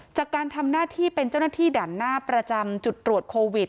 จากการทำหน้าที่เป็นเจ้าหน้าที่ด่านหน้าประจำจุดตรวจโควิด